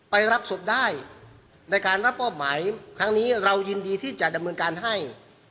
รับศพได้ในการรับมอบหมายครั้งนี้เรายินดีที่จะดำเนินการให้